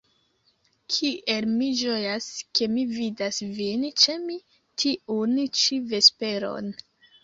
Kiel mi ĝojas, ke mi vidas vin ĉe mi tiun ĉi vesperon.